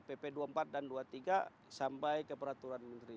pp dua puluh empat dan dua puluh tiga sampai ke peraturan menteri